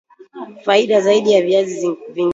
faida zaidi za viazi vingine